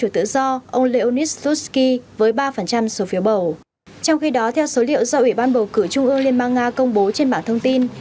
trong khi đó theo số liệu do ủy ban bầu cử trung ương liên bang nga công bố trên bảng thông tin